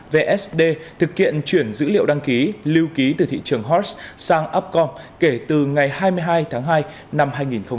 vsd thực hiện chuyển dữ liệu đăng ký lưu ký từ thị trường host sang upcom kể từ ngày hai mươi hai tháng hai năm hai nghìn hai mươi